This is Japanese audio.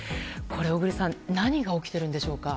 小栗さん何が起きているんでしょうか？